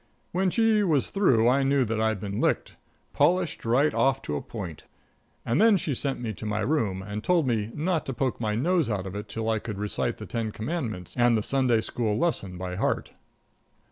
When she was through I knew that I'd been licked polished right off to a point and then she sent me to my room and told me not to poke my nose out of it till I could recite the Ten Commandments and the Sunday school lesson by heart.